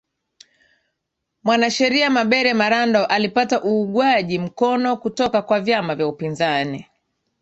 mwanasheria mabere marando alipata uugwaji mkono kutoka kwa vyama vya upinzani